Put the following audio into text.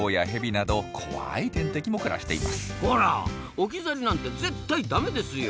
置き去りなんて絶対ダメですよ！